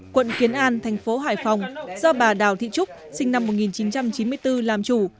quận kiến an thành phố hải phòng do bà đào thị trúc sinh năm một nghìn chín trăm chín mươi bốn làm chủ